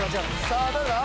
さぁ誰だ？